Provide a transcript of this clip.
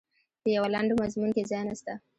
په یوه لنډ مضمون کې ځای نسته.